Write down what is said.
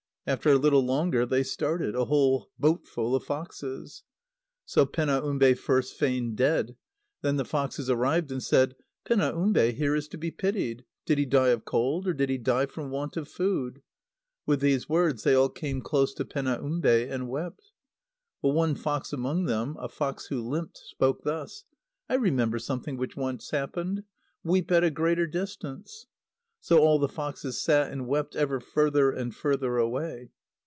After a little longer, they started, a whole boatful of foxes. So Penaumbe first feigned dead. Then the foxes arrived, and said: "Penaumbe here is to be pitied. Did he die of cold? or did he die from want of food?" With these words, they all came close to Penaumbe and wept. But one fox among them, a fox who limped, spoke thus: "I remember something which once happened. Weep at a greater distance!" So all the foxes sat and wept ever further and further away.